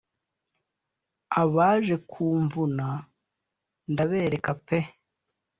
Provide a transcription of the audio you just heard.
abaje kumvuna ndabereka pe